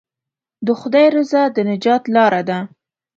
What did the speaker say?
د خدای رضا د نجات لاره ده.